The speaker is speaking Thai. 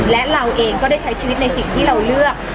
และเราเองก็ได้ใช้ชีวิตในสิ่งที่เราเลือก